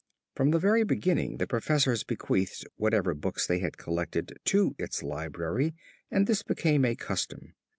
From the very beginning the professors bequeathed whatever books they had collected to its library and this became a custom.